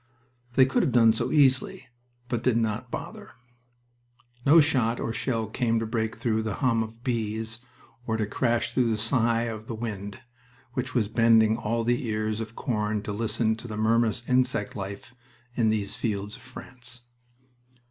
They could have done so easily, but did not bother. No shot or shell came to break through the hum of bees or to crash through the sigh of the wind, which was bending all the ears of corn to listen to the murmurous insect life in these fields of France.